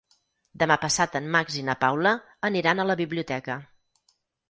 Demà passat en Max i na Paula aniran a la biblioteca.